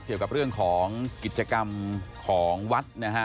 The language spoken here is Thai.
เกี่ยวกับเรื่องของกิจกรรมของวัดนะฮะ